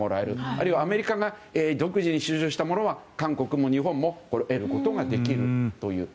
あるいはアメリカが独自に収集したものは韓国も日本も得ることができるという。